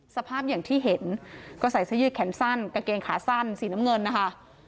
สภาพอย่างที่เห็นก็ใส่เสื้อยืดแขนสั้นกางเกงขาสั้นสีน้ำเงินนะคะ